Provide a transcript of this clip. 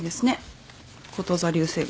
こと座流星群。